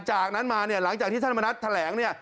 จากนั้นมาเนี่ยหลังจากที่ท่านมณัฐแถลงเนี่ย